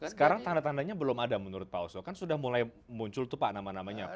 sekarang tanda tandanya belum ada menurut pak oso kan sudah mulai muncul tuh pak nama namanya